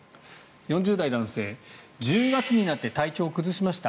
４０代、男性１０月になって体調を崩しました。